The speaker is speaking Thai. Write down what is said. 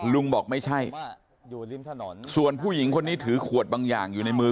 ลุงบอกไม่ใช่อยู่ริมถนนส่วนผู้หญิงคนนี้ถือขวดบางอย่างอยู่ในมือ